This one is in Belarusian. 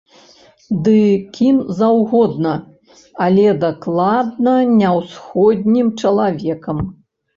Ды кім заўгодна, але дакладна не ўсходнім чалавекам.